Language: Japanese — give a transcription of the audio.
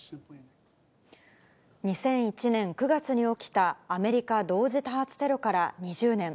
２００１年９月に起きたアメリカ同時多発テロから２０年。